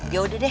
ya udah deh